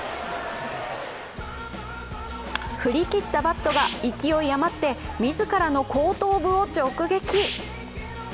振り切ったバットが勢い余って自らの後頭部を直撃。